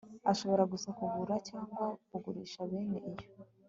ashobora gusa kugura cyangwa kugurisha bene iyo